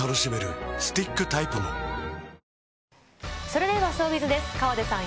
それではショービズです。